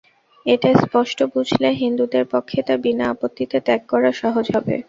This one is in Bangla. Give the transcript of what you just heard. এটা স্পষ্ট বুঝলে হিন্দুদের পক্ষে তা বিনা আপত্তিতে ত্যাগ করা সহজ হবে।